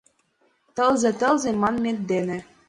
«Тылзе, тылзе манмет дене